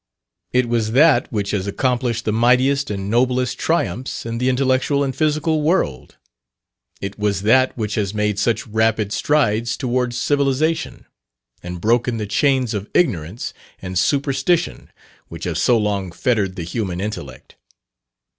It was that which has accomplished the mightiest and noblest triumphs in the intellectual and physical world. It was that which has made such rapid strides towards civilization, and broken the chains of ignorance and superstition, which have so long fettered the human intellect.